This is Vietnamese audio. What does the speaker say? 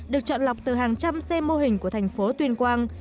được chọn lọc từ hàng trăm xe mô hình của thành phố tuyên quang